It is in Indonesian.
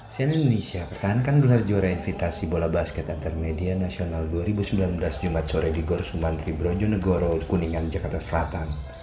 cnn indonesia pertahankan gelar juara invitasi bola basket antarmedia nasional dua ribu sembilan belas jumat sore di gor sumantri brojonegoro kuningan jakarta selatan